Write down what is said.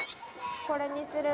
これにする。